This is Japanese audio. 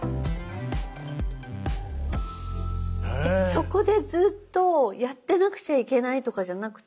そこでずっとやってなくちゃいけないとかじゃなくて。